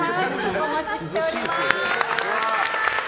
お待ちしております！